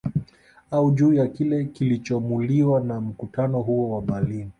Au juu ya Kile kilichomuliwa na mkutano huo wa Berlini